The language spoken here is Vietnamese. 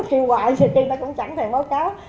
khi hoài thì người ta cũng chẳng thèm báo cáo